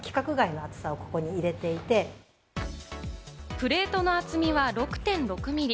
プレートの厚みは６．６ミリ。